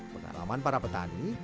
pengalaman para petani